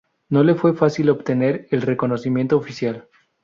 No le fue fácil obtener el reconocimiento oficial.